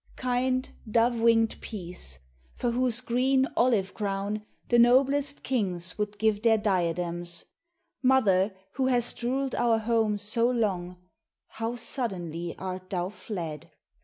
Kind dove wing'd Peace, for whose green olive crown The noblest kings would give their diadems, Mother who hast ruled our home so long, How suddenly art thou fled!